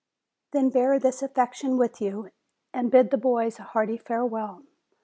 Then bear this affection with you, and bid the boys a hearty farewell.